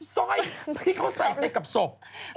สร้อยที่เขาใส่ไปกับศพ